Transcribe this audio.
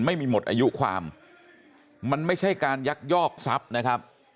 ไม่มีหมดอายุความมันไม่ใช่การยักยอกทรัพย์นะครับ